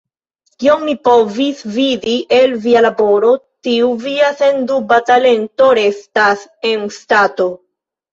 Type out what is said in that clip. Kiom mi povis vidi el via laboro, tiu via senduba talento restas en stato.